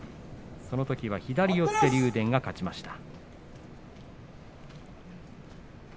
そのときは左四つで竜電が勝ちました。